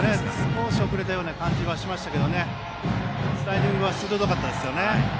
少し遅れたような感じはしましたがスライディングは鋭かったですね。